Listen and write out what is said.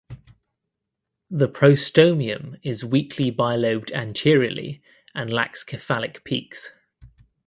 The prostomium is weakly bilobed anteriorly and lacks cephalic peaks.